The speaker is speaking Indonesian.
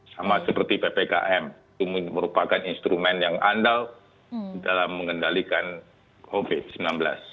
sama seperti ppkm itu merupakan instrumen yang andal dalam mengendalikan covid sembilan belas